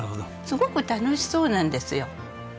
すごく楽しそうなんですよ。